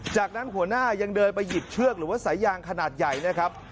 จากนั้นหัวหน้ายังเดินไปหยิบเชือกหรือว่าสายยางขนาดใหญ่นะครับ